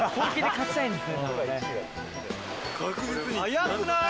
速くない？